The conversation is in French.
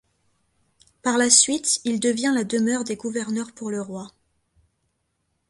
Par la suite il devient la demeure des gouverneurs pour le roi.